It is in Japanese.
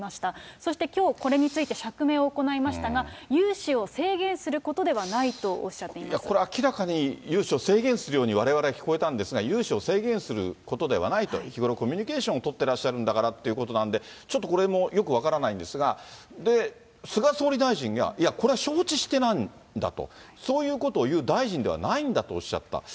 そしてきょう、これについて釈明を行いましたが、融資を制限することでこれ、明らかに融資を制限するように、われわれ聞こえたんですが、融資を制限することではないと、日頃、コミュニケーションを取っていらっしゃるんだからと、ちょっとこれも、よく分からないんですが、菅総理大臣が、いや、これは承知してないんだと、そういうことを言う大臣ではないんだとおっしゃった。